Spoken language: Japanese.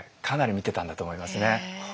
かなり見てたんだと思いますね。